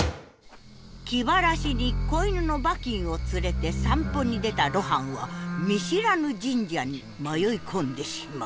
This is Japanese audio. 気晴らしに子犬のバキンを連れて散歩に出た露伴は見知らぬ神社に迷い込んでしまう。